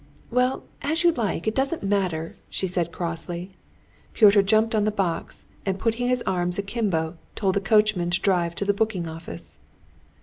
"Well, as you like, it doesn't matter," she said crossly. Pyotr jumped on the box, and putting his arms akimbo, told the coachman to drive to the booking office.